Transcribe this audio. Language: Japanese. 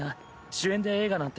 主演で映画なんて。